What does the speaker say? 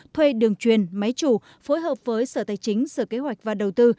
thuê đường truyền máy chủ phối hợp với sở tài chính sở kế hoạch và đầu tư